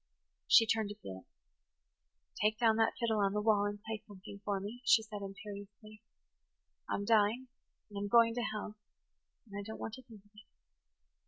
She turned to Felix. "Take down that fiddle on the wall and play something for me," she said imperiously. "I'm dying–and I'm going to hell–and I don't want to think of it.